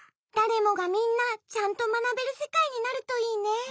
だれもがみんなちゃんとまなべるせかいになるといいね。